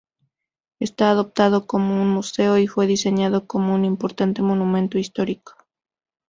Está adaptado como un museo y fue diseñado como un importante monumento histórico